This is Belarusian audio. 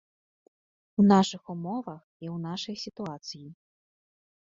У нашых умовах і ў нашай сітуацыі.